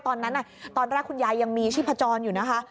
ตอนแรกตอนแรกคุณยายยังมีชีพจรอยู่นะคะ